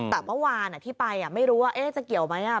แต่เมื่อวานที่ไปไม่รู้ว่าจะเกี่ยวไหม